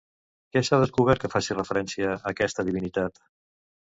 Què s'ha descobert que faci referència a aquesta divinitat?